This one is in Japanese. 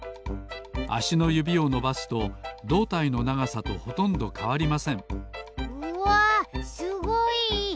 あしのゆびをのばすとどうたいのながさとほとんどかわりませんうわすごい！